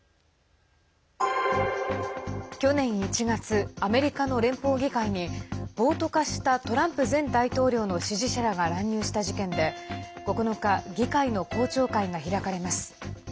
去年１月アメリカの連邦議会に暴徒化したトランプ前大統領の支持者らが乱入した事件で９日、議会の公聴会が開かれます。